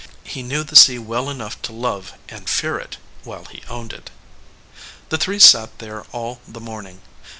He knew the sea well enough to love and fear it, while he owned it. The three sat there all the morning.